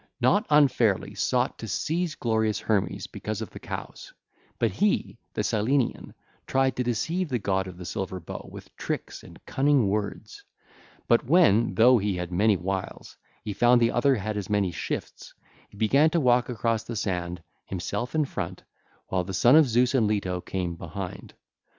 ((LACUNA)) ....not fairly sought to seize glorious Hermes because of the cows; but he, the Cyllenian, tried to deceive the God of the Silver Bow with tricks and cunning words. But when, though he had many wiles, he found the other had as many shifts, he began to walk across the sand, himself in front, while the Son of Zeus and Leto came behind.